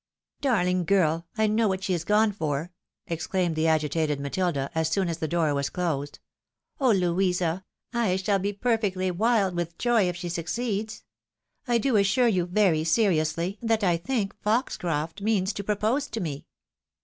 " Darling girl ! I know what she is gone for," exclaimed the agitated Matilda, as soon as the door was closed. " Oh, Louisa ! I shall be perfectly wild with joy if she succeeds. I do assure you, very seriously, that I think Foxcroft means to pro pose to me.